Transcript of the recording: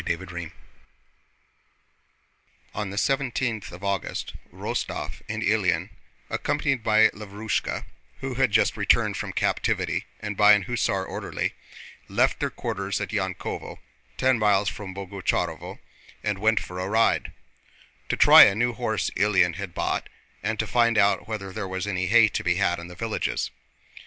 CHAPTER XIII On the seventeenth of August Rostóv and Ilyín, accompanied by Lavrúshka who had just returned from captivity and by an hussar orderly, left their quarters at Yankóvo, ten miles from Boguchárovo, and went for a ride—to try a new horse Ilyín had bought and to find out whether there was any hay to be had in the villages.